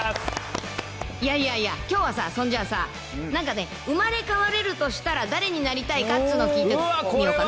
いやいやいや、きょうはさ、そんじゃあさ、なんかね、生まれ変われるとしたら、誰になりたいかっつーのを聞いてみようかな。